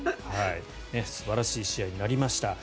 素晴らしい試合になりました。